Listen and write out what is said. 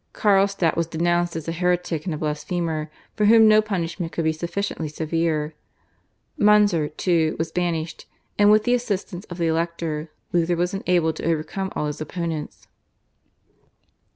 Carlstadt was denounced as a heretic and a blasphemer, for whom no punishment could be sufficiently severe. Munzer, too, was banished, and with the assistance of the Elector, Luther was enabled to overcome all his opponents.